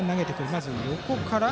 まず、横から。